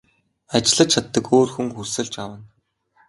Ажиллаж чаддаг өөр хүн хөлсөлж авна.